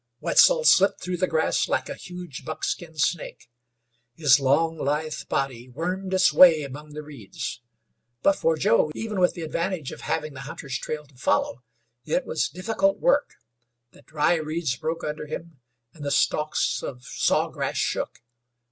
Wetzel slipped through the grass like a huge buckskin snake. His long, lithe body wormed its way among the reeds. But for Joe, even with the advantage of having the hunter's trail to follow, it was difficult work. The dry reeds broke under him, and the stalks of saw grass shook.